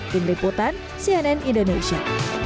tim riputan cnn indonesia